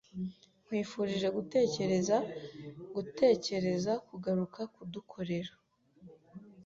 Nkwifurije gutekereza gutekereza kugaruka kudukorera.